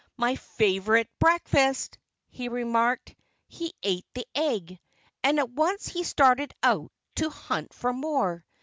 "My favorite breakfast!" he remarked. He ate the egg. And at once he started out to hunt for more.